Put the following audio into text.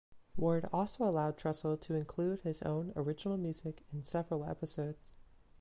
Ward also allowed Trussell to include his own original music in several episodes.